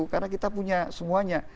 karena kita punya semuanya